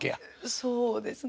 そうですね。